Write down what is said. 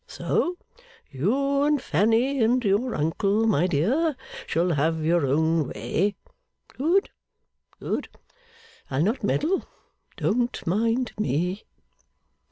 So, you and Fanny and your uncle, my dear, shall have your own way. Good, good. I'll not meddle; don't mind me.